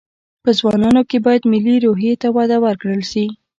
په ځوانانو کې باید ملي روحي ته وده ورکړل شي